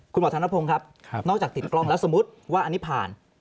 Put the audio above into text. คุณหมอธนพงศ์ครับนอกจากติดกล้องแล้วสมมุติว่าอันนี้ผ่าน